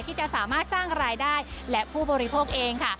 ที่จะสามารถสร้างรายได้และผู้บริโภคเองค่ะ